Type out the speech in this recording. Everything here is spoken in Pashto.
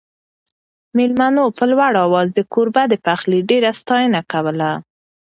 مېلمنو په لوړ اواز د کوربه د پخلي ډېره ستاینه کوله.